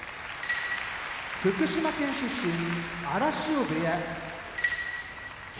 福島県出身荒汐部屋霧